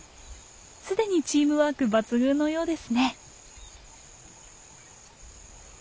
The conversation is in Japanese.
すでにチームワーク抜群のようですね。